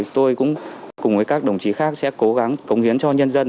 tôi cũng cùng với các đồng chí khác sẽ cố gắng cống hiến cho nhân dân